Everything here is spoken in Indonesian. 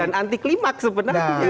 dan anti klimat sebenarnya